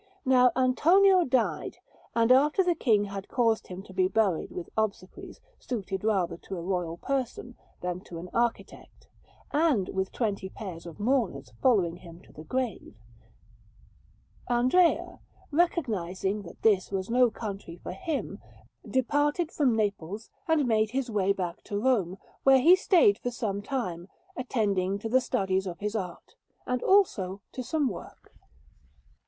Now Antonio died; and after the King had caused him to be buried with obsequies suited rather to a royal person than to an architect, and with twenty pairs of mourners following him to the grave, Andrea, recognizing that this was no country for him, departed from Naples and made his way back to Rome, where he stayed for some time, attending to the studies of his art, and also to some work.